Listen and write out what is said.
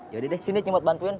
yaudah deh sini buat bantuin